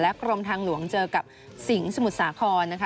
กรมทางหลวงเจอกับสิงห์สมุทรสาครนะคะ